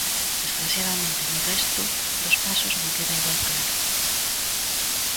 Desgraciadamente, no resto dos casos non queda igual claro.